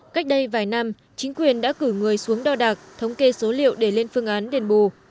cách đây vài năm chính quyền đã cử người xuống đo đạc thống kê số liệu để lên phương án đền bù